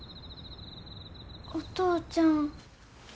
お父ちゃん。